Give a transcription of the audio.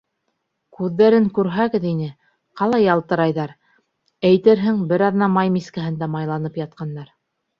Күҙҙәрен күрһәгеҙ ине, ҡалай ялтырайҙар, әйтерһең, бер аҙна май мискәһендә майланып ятҡандар.